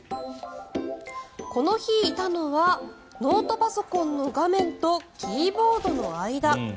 この日、いたのはノートパソコンの画面とキーボードの間。